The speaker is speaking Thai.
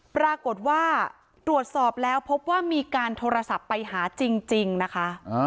ปรากฏว่าตรวจสอบแล้วพบว่ามีการโทรศัพท์ไปหาจริงนะคะ